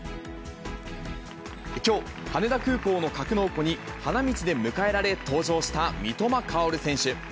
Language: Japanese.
きょう、羽田空港の格納庫に花道で迎えられ、登場した三笘薫選手。